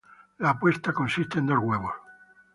La puesta consiste de dos huevos.